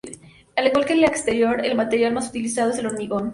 Al igual que en el exterior el material más utilizado es el hormigón.